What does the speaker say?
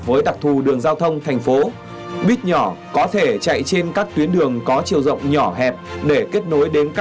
và cái điều này nó không hả thi